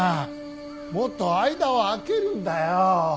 もっと間を空けるんだよ。